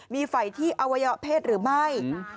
มีไฟที่อวัยวะเพศหรือไม่